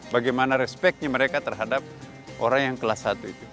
bagaimana respectnya mereka terhadap orang yang kelas satu itu